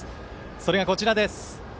それが、こちらです。